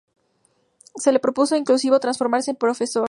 Se le propuso incluso transformarse en profesor.